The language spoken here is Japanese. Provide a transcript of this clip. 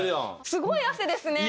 すごい汗ですね。